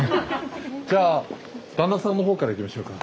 じゃあ旦那さんの方からいきましょうか。